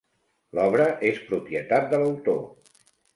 L'obra és propietat de l'autor.